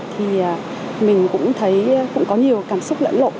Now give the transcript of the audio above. thì mình cũng thấy cũng có nhiều cảm xúc lẫn lộn